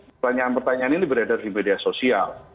pertanyaan pertanyaan ini beredar di media sosial